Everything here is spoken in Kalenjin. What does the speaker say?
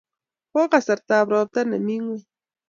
Ko kasartab ropta nemi ngweny